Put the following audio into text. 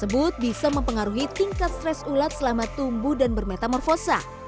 tersebut bisa mempengaruhi tingkat stres ulat selama tumbuh dan bermetamorfosa